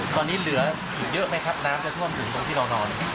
ตอนนี้เหลืออยู่เยอะไหมครับน้ำจะท่วมถึงตรงที่เรานอน